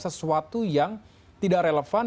sesuatu yang tidak relevan